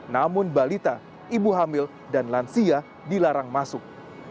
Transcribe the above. namun balita ibu hamil dan lansia dilarang masuk